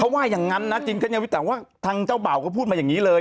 ว่าอย่างนั้นนะจินก็ยังไม่แต่ว่าทางเจ้าบ่าวก็พูดมาอย่างนี้เลย